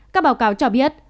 các báo cáo cho biết